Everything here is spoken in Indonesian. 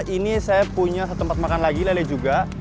ini saya punya satu tempat makan lagi lele juga